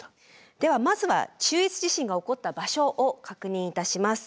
ではまずは中越地震が起こった場所を確認いたします。